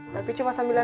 tapi cuma sambilan aja